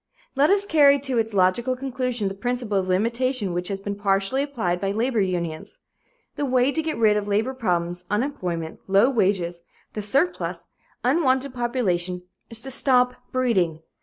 Let us carry to its logical conclusion the principle of limitation which has been partially applied by labor unions. The way to get rid of labor problems, unemployment, low wages, the surplus, unwanted population, is to stop breeding.